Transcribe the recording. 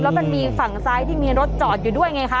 แล้วมันมีฝั่งซ้ายที่มีรถจอดอยู่ด้วยไงคะ